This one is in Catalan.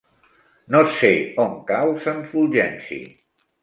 No sé on cau Sant Fulgenci.